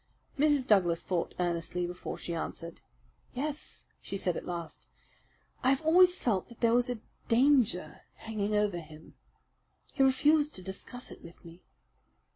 Mrs. Douglas thought earnestly before she answered. "Yes," she said at last, "I have always felt that there was a danger hanging over him. He refused to discuss it with me.